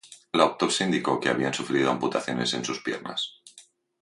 La autopsia indicó que habían sufrido amputaciones en sus piernas.